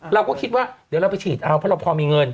เราก็คิดว่าเดี๋ยวเราไปฉีดเอาเพราะเราพอมีเงิน